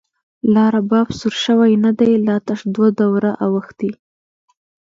لا رباب سور شوۍ ندۍ، لا تش دوه دوره اوښتۍ